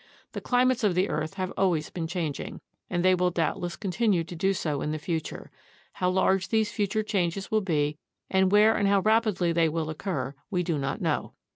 The climates of the earth have always been changing, and they will doubtless continue to do so in the future. How large these future changes will be, and where and how rapidly they will occur, we do not know.